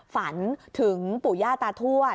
ฝันถึงปู่ย่าตาทั่ว